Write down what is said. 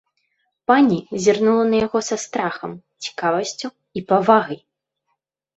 Пані зірнула на яго са страхам, цікавасцю і павагай.